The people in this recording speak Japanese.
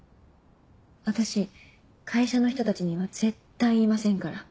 私会社の人たちには絶対言いませんから。